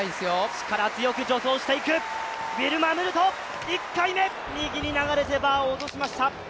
力強く助走していく、ウィルマ・ムルト、１回目、右に流れてバーを落としました。